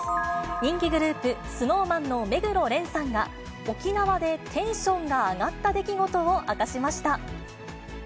人気グループ、ＳｎｏｗＭａｎの目黒蓮さんが、沖縄でテンションが上がった出来事を明かしました。